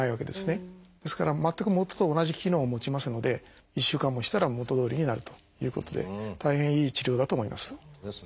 ですから全く元と同じ機能を持ちますので１週間もしたら元どおりになるということで大変いい治療だと思います。